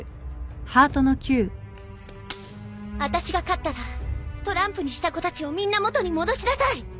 あたしが勝ったらトランプにした子たちをみんな元に戻しなさい！